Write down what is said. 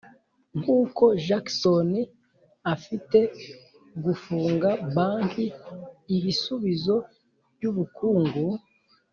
nkuko jackson afite gufunga banki, ibisubizo byubukungu